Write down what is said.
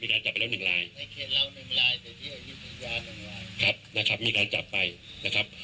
มีการจับไปแล้วหนึ่งลายครับนะครับมีการจับไปนะครับ